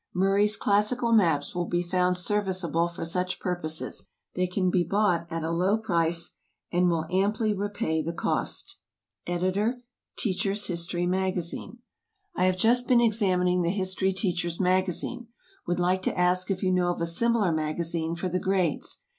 Murray's classical maps will be found serviceable for such purposes. They can be bought at a low price, and will amply repay the cost. Editor HISTORY TEACHER'S MAGAZINE. I have just been examining THE HISTORY TEACHER'S MAGAZINE. Would like to ask if you know of a similar magazine for the grades.